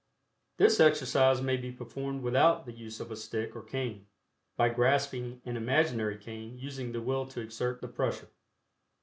This exercise may be performed without the use of a stick or cane, by grasping an imaginary cane, using the will to exert the pressure.